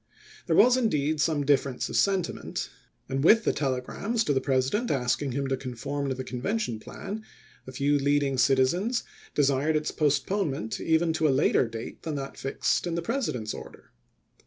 There was indeed some difference of sentiment, and with the telegrams to the President asking him to conform to the Convention plan a few leading citizens desired its postponement even to a later date than that fixed in the President's order.